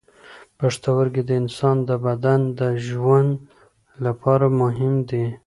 پښتورګي د انسان د بدن د ژوند لپاره مهم دي.